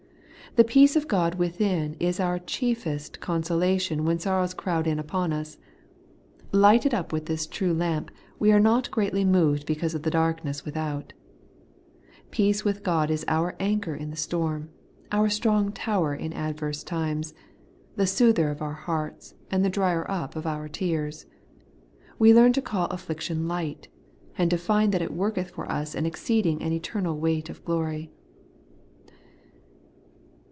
The peace of God within is our chiefest consolation when sorrows crowd in upon us. Lighted up with this true lamp, we are not greatly moved because of the darkness without Peace with God is our anchor in the storm ; our strong tower in adverse times ; the soother of our hearts, and the dryer up of our tears. We learn to call aflBiiction light, and to find that it worketh for us an exceeding and eternal weight of glory.